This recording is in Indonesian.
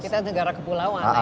kita negara kepulauan